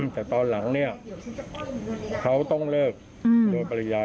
แต่ตอนหลังเนี่ยเขาต้องเลิกโดยปริญญา